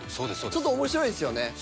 ちょっと面白いですよね